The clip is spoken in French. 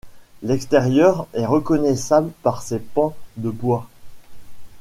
L'extérieur est reconnaissable par ses pans de bois.